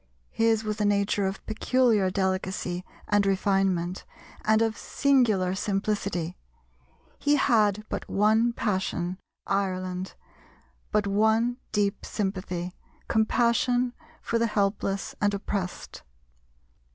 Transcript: His was a nature of peculiar delicacy and refinement and of singular simplicity; he had but one passion, Ireland, but one deep sympathy compassion for the helpless and oppressed.